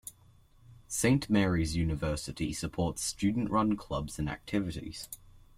Saint Mary's University supports student-run clubs and activities.